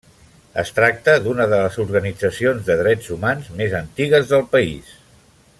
Es tracta d'una de les organitzacions de drets humans més antigues del país.